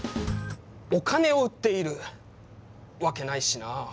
お金を売っているわけないしなあ。